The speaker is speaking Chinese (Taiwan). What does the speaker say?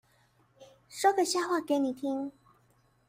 說個笑話給你聽